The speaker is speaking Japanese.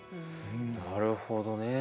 なるほどね。